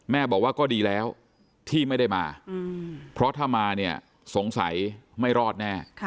บอกว่าก็ดีแล้วที่ไม่ได้มาเพราะถ้ามาเนี่ยสงสัยไม่รอดแน่